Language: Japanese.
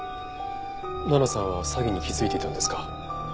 奈々さんは詐欺に気づいていたんですか？